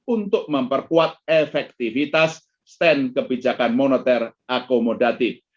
untuk memperkuat efektivitas stand kebijakan moneter akomodatif